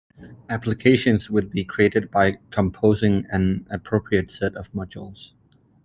Applications would be created by composing an appropriate set of modules.